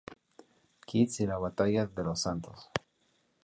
Kitts y la Batalla de los Santos.